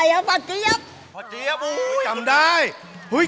จับมือใท้เขาตะเกี๊ยบ